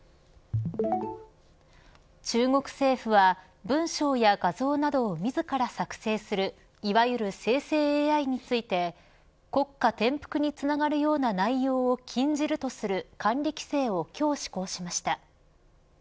中国政府は文章や画像などを自ら作成するいわゆる生成ＡＩについて国家転覆につながるような内容を禁じるとする管理規制を今日、施行しました。